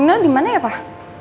ino dimana ya pak